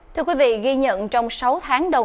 thưa quý vị ghi nhận trong sáu tháng đầu